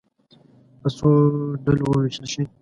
په څو ډلو وویشل شئ.